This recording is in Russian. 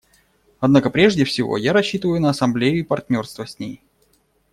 Однако, прежде всего, я рассчитываю на Ассамблею и партнерство с ней.